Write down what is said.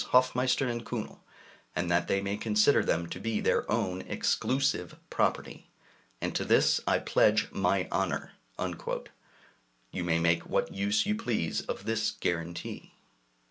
Hofmeister and Kühnel, and that they may consider them to be their own exclusive property. And to this I pledge my honor." You may make what use you please of this guarantee.